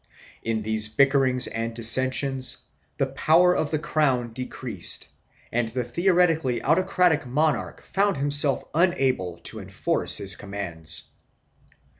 In these bickerings and dissensions the power of the crown decreased and the theoretically autocratic monarch found himself unable to enforce his commands.